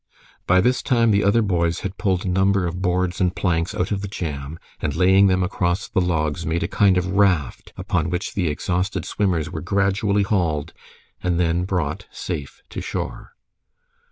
By this time the other boys had pulled a number of boards and planks out of the jam, and laying them across the logs, made a kind of raft upon which the exhausted swimmers were gradually hauled, and then brought safe to shore.